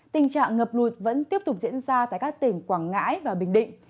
tình trạng ngập lụt vẫn tiếp tục diễn ra tại các tỉnh quảng ngãi và bình định